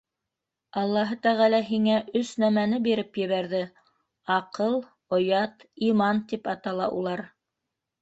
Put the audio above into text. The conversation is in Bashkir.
Аллаһы тәғәлә һиңә өс нәмәне биреп ебәрҙе: - аҡыл, оят, иман тип атала улар.